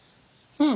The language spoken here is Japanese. うん。